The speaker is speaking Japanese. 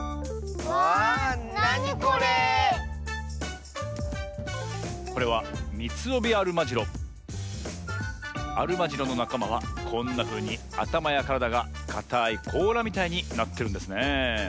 わなにこれ⁉これはアルマジロのなかまはこんなふうにあたまやからだがかたいこうらみたいになってるんですね。